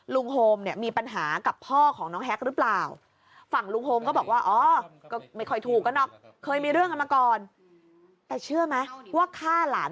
ลุงโฮงมีปัญหากับพ่อของน้องแฮคหรือเปล่า